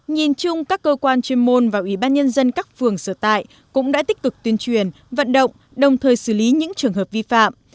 nhìn chung các cơ quan chuyên môn và ủy ban nhân dân các phường sở tại cũng đã tích cực tuyên truyền vận động đồng thời xử lý những trường hợp vi phạm